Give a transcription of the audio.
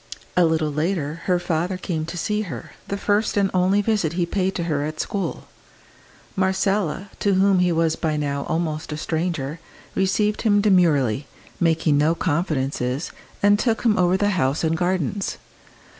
A little later her father came to see her, the first and only visit he paid to her at school. Marcella, to whom he was by now almost a stranger, received him demurely, making no confidences, and took him over the house and gardens.